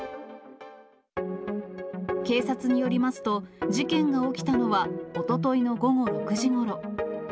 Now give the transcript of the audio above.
警察によりますと、事件が起きたのはおとといの午後６時ごろ。